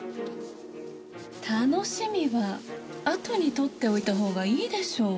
楽しみはあとにとっておいたほうがいいでしょう。